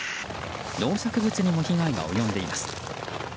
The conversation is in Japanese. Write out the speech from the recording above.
農作物にも被害が及んでいます。